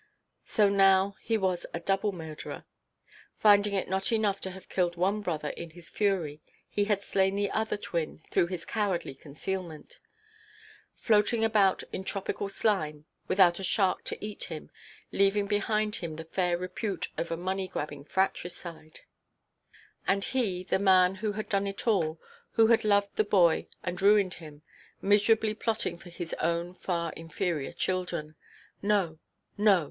So now he was a double murderer. Finding it not enough to have killed one brother in his fury, he had slain the other twin through his cowardly concealment. Floating about in tropical slime, without a shark to eat him, leaving behind him the fair repute of a money–grabbing fratricide. And he, the man who had done it all, who had loved the boy and ruined him, miserably plotting for his own far inferior children. No, no!